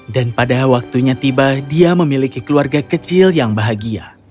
dan pada waktunya tiba dia memiliki keluarga kecil yang bahagia